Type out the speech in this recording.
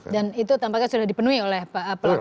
dan itu tampaknya sudah dipenuhi oleh pelaku industri